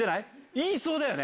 言いそうだよね！